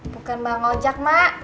bukan bang ojak mak